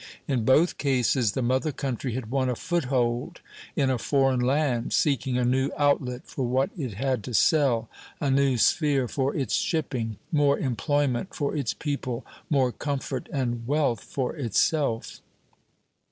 In both cases the mother country had won a foothold in a foreign land, seeking a new outlet for what it had to sell, a new sphere for its shipping, more employment for its people, more comfort and wealth for itself.